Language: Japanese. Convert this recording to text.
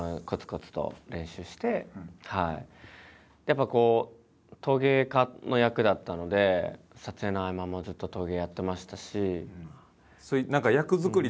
やっぱこう陶芸家の役だったので撮影の合間もずっと陶芸やってましたし。